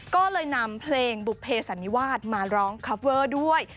ก็เลยนำเพลงบุภเสันนิวาสมาร้องคอฟเวอร์ด้วย